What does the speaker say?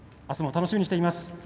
あすも楽しみにしています。